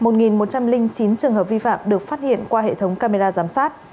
một một trăm linh chín trường hợp vi phạm được phát hiện qua hệ thống camera giám sát